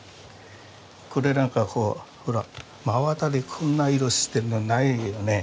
これなんかほら真綿でこんな色してるのないよね。